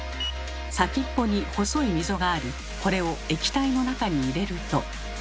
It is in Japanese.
先っぽに細い溝がありこれを液体の中に入れると。